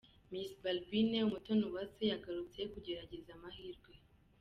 Miss Barbine Umutoniwase yagarutse kugerageza amahirwe.